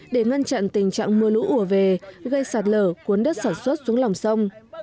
để ngăn chặn tình trạng mưa lũ ủa về gây sạt lở cuốn đất sản xuất xuống lòng sông